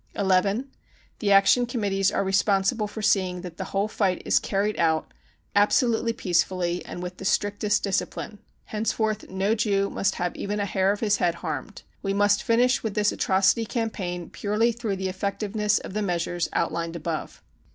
(11) The Action Committees are responsible for seeing that the whole fight is cfarried out absolutely peacefully and with the strictest discipline. Henceforth no Jew must have even a hair of his head harmed. We must finish with this atrocity campaign purely through the effectiveness of the measures outlined above.